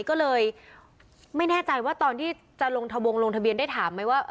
ก็เลยไม่แน่ใจว่าตอนที่จะลงทะวงลงทะเบียนได้ถามไหมว่า